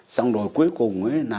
xong rồi cuối cùng ấy